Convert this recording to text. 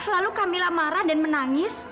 lalu camilla marah dan menangis